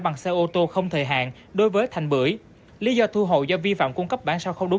bằng xe ô tô không thời hạn đối với thành bưởi lý do thu hộ do vi phạm cung cấp bản sao không đúng